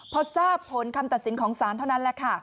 พอทราบผลคำตัดสินของศาลเท่านั้นแหละค่ะ